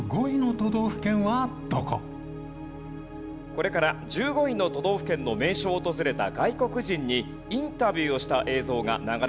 これから１５位の都道府県の名所を訪れた外国人にインタビューをした映像が流れます。